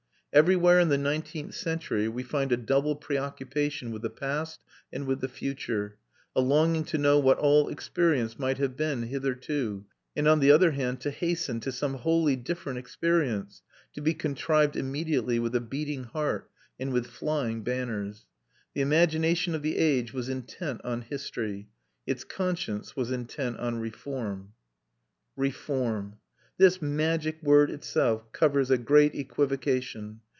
Everywhere in the nineteenth century we find a double preoccupation with the past and with the future, a longing to know what all experience might have been hitherto, and on the other hand to hasten to some wholly different experience, to be contrived immediately with a beating heart and with flying banners. The imagination of the age was intent on history; its conscience was intent on reform. Reform! This magic word itself covers a great equivocation.